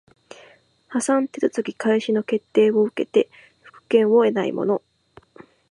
破産手続開始の決定を受けて復権を得ない者